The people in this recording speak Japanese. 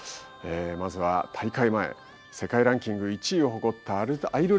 まずは大会前世界ランキング１位を誇ったアイルランドとの一戦。